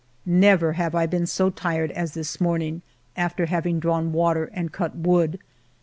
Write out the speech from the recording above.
Never have I been so tired as this morning, after having drawn water and cut wood.